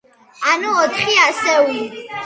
ანუ, ოთხი ასეული.